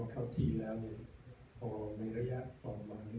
ต่อในระยะต่อมาระยะต่อมานี้